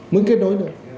muốn kết nối thôi